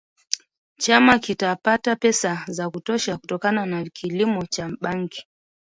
Chama kitapata pesa za kutosha kutokana na kilimo cha bangi